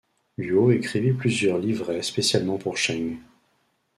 Luo écrivit plusieurs livrets spécialement pour Cheng.